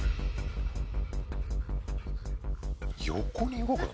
横に動くの？